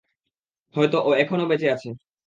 হয়তো ও এখনও কোথাও বেঁচে আছে!